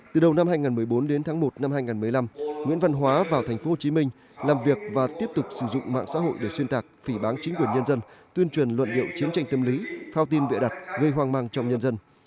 từ đầu năm hai nghìn một mươi bốn đến tháng một năm hai nghìn một mươi năm nguyễn văn hóa vào tp hcm làm việc và tiếp tục sử dụng mạng xã hội để xuyên tạc phỉ bán chính quyền nhân dân tuyên truyền luận điệu chiến tranh tâm lý phao tin bịa đặt gây hoang mang trong nhân dân